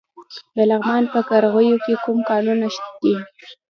د لغمان په قرغیو کې کوم کانونه دي؟